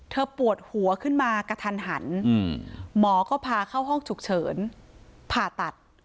ปวดหัวขึ้นมากระทันหันหมอก็พาเข้าห้องฉุกเฉินผ่าตัด